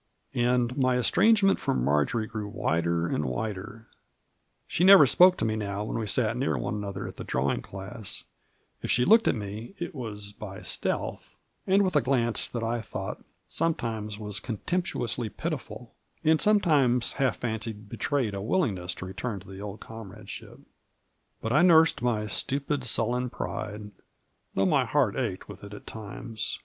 And my estrangement from Marjory grew wider and wider; she never spoke to me now when we sat near one another at the drawing class ; if she looked at me it was by stealth, and with a glance that I thought sometimes Digitized by VjOOQIC 96 MAEJ0R7. was contemptnonsly pitiful, and sometimes half fancied betrayed a willingness to return to the old comrade ship. But I nursed my stupid, sullen pride, though my heart ached with it at times.